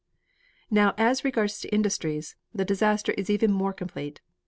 "Now as regards industries, the disaster is even more complete.